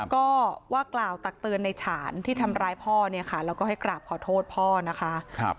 ก็ว่ากล่าวตักเตือนในฉานที่ทำร้ายพ่อเนี่ยค่ะแล้วก็ให้กราบขอโทษพ่อนะคะ